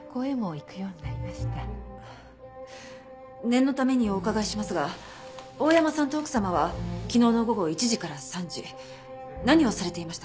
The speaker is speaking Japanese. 念のためにお伺いしますが大山さんと奥様は昨日の午後１時から３時何をされていましたか？